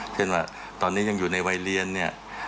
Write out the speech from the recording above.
เช่นว่าตอนนี้ยังอยู่ในวัยเรียนเนี่ย